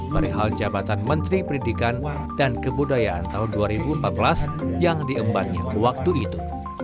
perihal jabatan menteri pendidikan dan kebudayaan tahun dua ribu empat belas yang diembannya waktu itu